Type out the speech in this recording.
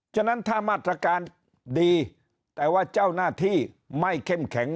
ฉะนั้นถ้ามาตรการดีแต่ว่าเจ้าหน้าที่ไม่เข้มแข็ง